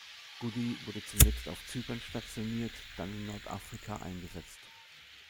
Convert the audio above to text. Goody wurde zunächst auf Zypern stationiert, dann in Nordafrika eingesetzt.